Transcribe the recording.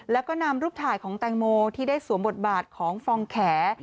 แล้วก็นำรูปถ่ายของแตงโมที่ได้สวมบทบาทของฟองแข